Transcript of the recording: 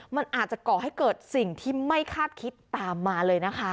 มันอาจจะก่อให้เกิดสิ่งที่ไม่คาดคิดตามมาเลยนะคะ